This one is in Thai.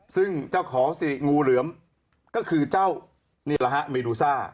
ซึ่งเจ้าของสีงูเหลือมก็คือเจ้าเมดูซ่า